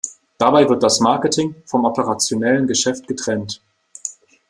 Dabei wird das Marketing vom operationellen Geschäft getrennt.